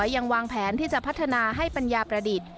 ยังวางแผนที่จะพัฒนาให้ปัญญาประดิษฐ์